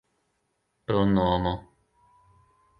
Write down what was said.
pronomo